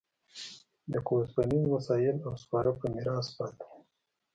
لکه اوسپنیز وسایل او سپاره په میراث پاتې و